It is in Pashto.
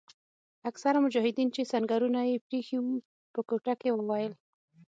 اکثره مجاهدین چې سنګرونه یې پریښي وو په کوټه کې وویل.